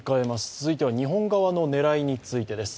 続いては日本側の狙いについてです。